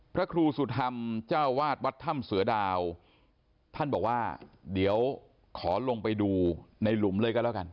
พระครูสุธรรมเจ้าวาดวัดถ้ำเสือดาวท่านบอกว่าเดี๋ยวขอลงไปดูในหลุมเลยก็แล้วกัน